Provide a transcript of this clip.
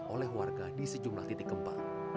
oleh warga di sejumlah titik gempa